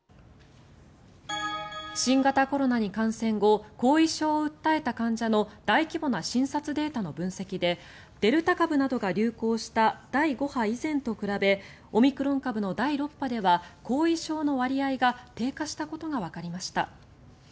新型コロナに感染後後遺症を訴えた患者の大規模な診察データの分析でデルタ株などが流行した第５波以前と比べオミクロン株の第６波では後遺症の割合が低下したことがわかりました。